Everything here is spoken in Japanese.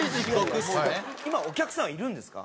今お客さんいるんですか？